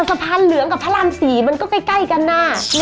สะพานเหลืองกับพระราม๔มันก็ใกล้กันนะ